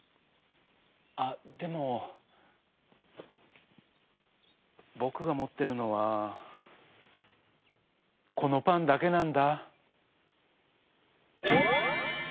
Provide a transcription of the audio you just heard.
あっでもぼくがもってるのはこのパンだけなんだ」。